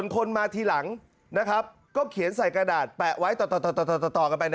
ก็เขียนใส่กระดาษแปะไว้ต่อกันไป